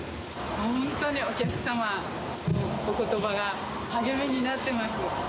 本当にお客様のおことばが励みになってます。